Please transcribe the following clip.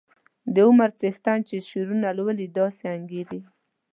د هر عمر څښتن چې شعرونه لولي داسې انګیري.